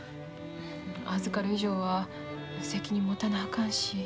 預かる以上は責任持たなあかんし。